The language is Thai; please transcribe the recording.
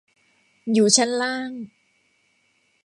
อยู่ชั้นล่าง